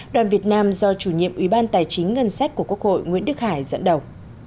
đoàn việt nam do chủ nhiệm ủy ban tài chính ngân sách của quốc hội nguyễn đức hải dẫn đầu